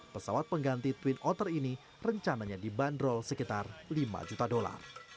pesawat pengganti twin otter ini rencananya dibanderol sekitar lima juta dolar